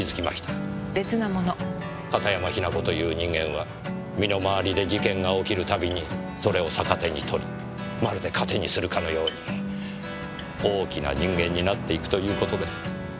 片山雛子という人間は身の回りで事件が起きるたびにそれを逆手に取りまるで糧にするかのように大きな人間になっていくという事です。